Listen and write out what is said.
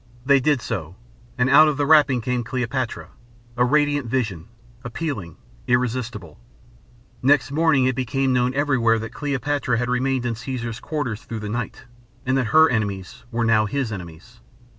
They did so, and out of the wrapping came Cleopatra a radiant vision, appealing, irresistible. Next morning it became known everywhere that Cleopatra had remained in Caesar's quarters through the night and that her enemies were now his enemies.